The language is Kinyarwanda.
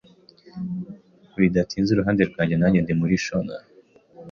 bidatinze iruhande rwanjye nanjye ndi muri schooner.